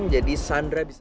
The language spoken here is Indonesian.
jadi sandra bisa